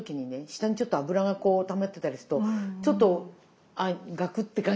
下にちょっと油がこうたまってたりするとちょっとガクッて感じがするんですよね。